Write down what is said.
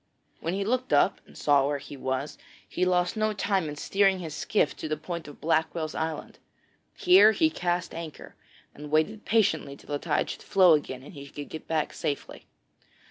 When at length he looked up and saw where he was, he lost no time in steering his skiff to the point of Blackwell's Island. Here he cast anchor, and waited patiently till the tide should flow again and he could get back safely.